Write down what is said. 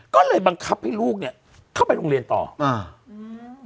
ก็เลยบังคับให้ลูกเนี้ยเข้าไปโรงเรียนต่ออ่าอืม